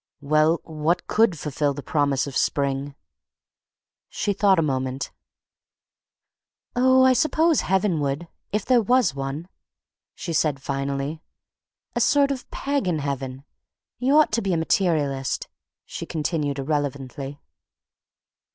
"Well, what could fulfil the promise of spring?" She thought a moment. "Oh, I suppose heaven would, if there was one," she said finally, "a sort of pagan heaven—you ought to be a materialist," she continued irrelevantly.